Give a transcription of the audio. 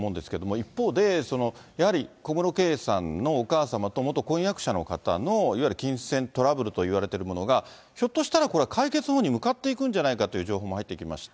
一方で、やはり小室圭さんのお母様と元婚約者の方のいわゆる金銭トラブルといわれているものが、ひょっとしたらこれ、解決のほうに向かっていくんじゃないかという情報も入ってきまして。